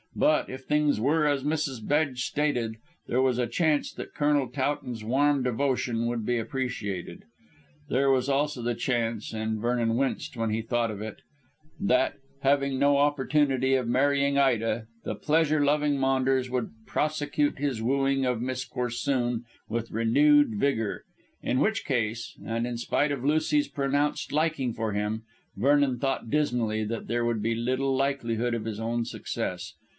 But, if things were as Mrs. Bedge stated, there was a chance that Colonel Towton's warm devotion would be appreciated; there was also the chance and Vernon winced when he thought of it that, having no opportunity of marrying Ida, the pleasure loving Maunders would prosecute his wooing of Miss Corsoon with renewed vigour; in which case, and in spite of Lucy's pronounced liking for him, Vernon thought dismally that there would be little likelihood of his own success.